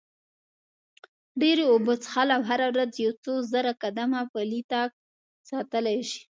ډېرې اوبه څښل او هره ورځ یو څو زره قدمه پلی تګ ساتلی شي.